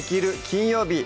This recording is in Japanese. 金曜日」